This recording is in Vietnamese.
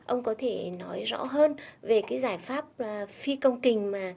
ông có thể nói rõ hơn về cái giải pháp phi công trình mà